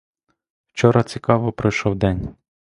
Вчора цікаво пройшов день.